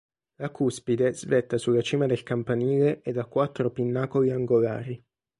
La cuspide svetta sulla cima del campanile ed ha quattro pinnacoli angolari.